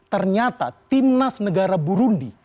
ternyata timnas negara burundi